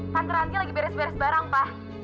panterannya lagi beres beres barang pak